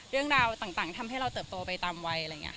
เรื่องราวต่างทำให้เราเติบโตไปตามวัย